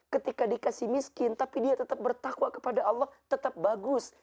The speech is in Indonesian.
ketika dikasih miskin tapi dia tetap bertakwa kepada allah tetap bagus